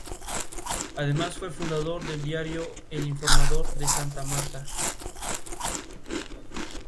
Además, fue fundador del diario "El Informador" de Santa Marta.